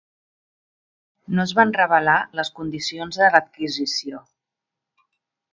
No es van revelar les condicions de l'adquisició.